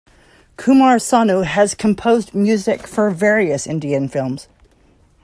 Kumar Sanu has composed music for various Indian films.